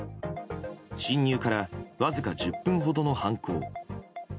侵入からわずか１０分ほどの犯行。